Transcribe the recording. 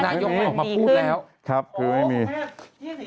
น่ายงออกมาพูดแล้วครับคือไม่มีอ๋อเพราะว่า